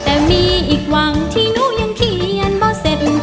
แต่มีอีกวังที่หนูยังเขียนบ่เสร็จ